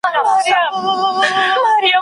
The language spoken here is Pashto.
ایا تاسو د دې کتاب په اړه پوښتنه کړې؟